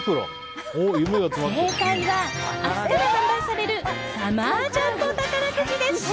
正解は明日から発売されるサマージャンボ宝くじでした。